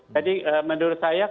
jadi menurut saya